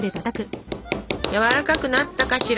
やわらかくなったかしら。